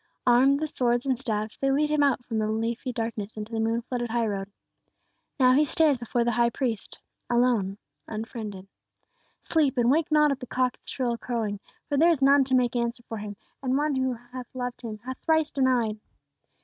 Armed with swords and staves, they lead Him out from the leafy darkness into the moon flooded highroad. Now He stands before the High Priest, alone, unfriended. Sleep, and wake not at the cock's shrill crowing, for there is none to make answer for Him, and one who loved Him hath thrice denied!